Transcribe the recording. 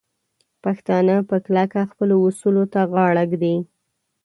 پښتانه په کلکه خپلو اصولو ته غاړه ږدي.